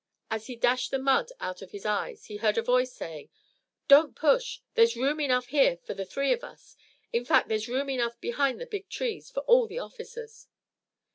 As he dashed the mud out of his eyes he heard a voice saying: "Don't push! There's room enough here for the three of us. In fact, there's room enough behind the big trees for all the officers."